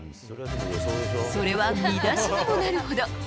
それは見出しにもなるほど。